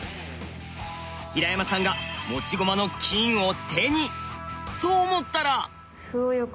平山さんが持ち駒の金を手に！と思ったら。